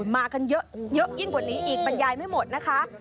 มากันเยอะยิ่งกว่านี้อีกบรรยายไม่หมดนะคะ